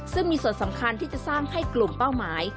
ซึ่งมีส่วนสำคัญที่จะสร้างให้กลุ่มเป้าหมาย